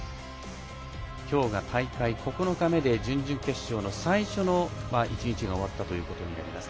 今日が大会９日目で準々決勝の最初の１日が終わったことになります。